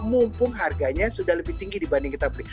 mumpung harganya sudah lebih tinggi dibanding kita beli